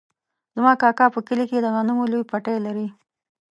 زما کاکا په کلي کې د غنمو لوی پټی لري.